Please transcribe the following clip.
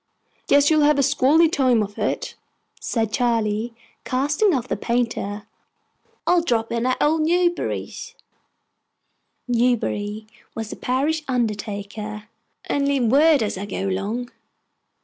"Guess you'll have a squally time of it," said Charley, casting off the painter. "I'll drop in at old Newbury's" (Newbury was the parish undertaker) "and leave word, as I go along!"